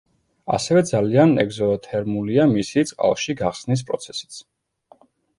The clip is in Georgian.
ასევე ძალიან ეგზოთერმულია მისი წყალში გახსნის პროცესიც.